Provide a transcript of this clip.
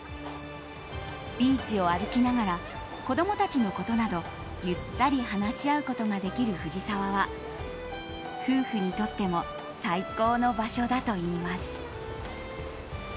ビーチを歩きながら子供たちのことなどゆったり話し合うことができる藤沢は夫婦にとっても最高の場所だといいます。